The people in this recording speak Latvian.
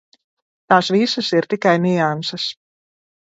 Tās visas ir tikai nianses.